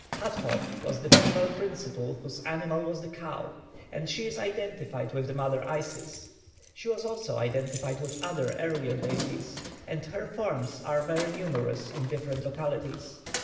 +Hat hor+ was the female principle whose animal was the cow; and she is identified with the mother Isis. She was also identified with other earlier deities; and her forms are very numerous in different localities.